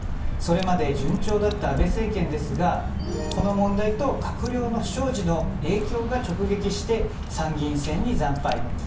それまで順調だった安倍政権ですがこの問題と閣僚の不祥事の影響が直撃して、参議院選に惨敗。